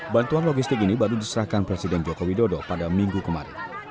bantuan logistik ini baru diserahkan presiden joko widodo pada minggu kemarin